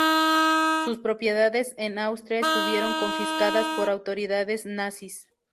Sus propiedades en Austria estuvieron confiscadas por autoridades nazis.